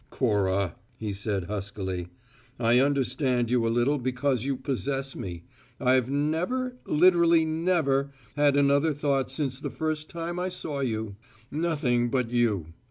"Cora," he said huskily, "I understand you a little because you possess me. I've never literally never had another thought since the first time I saw you: nothing but you.